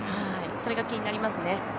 それが気になりますね。